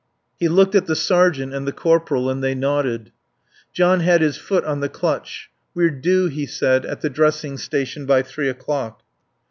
He looked at the sergeant and the corporal, and they nodded. John had his foot on the clutch. "We're due," he said, "at the dressing station by three o'clock."